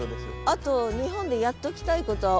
あと日本でやっときたいことは？